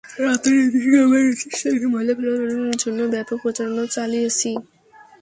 রাতে নির্দিষ্ট সময়ে নির্দিষ্ট স্থানে ময়লা ফেলার জন্য ব্যাপক প্রচারণাও চালিয়েছি।